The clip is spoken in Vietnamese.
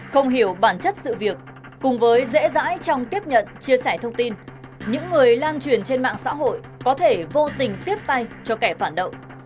không hiểu bản chất sự việc cùng với dễ dãi trong tiếp nhận chia sẻ thông tin những người lan truyền trên mạng xã hội có thể vô tình tiếp tay cho kẻ phản động